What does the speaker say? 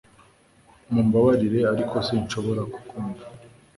Mumbabarire ariko sinshobora kukumva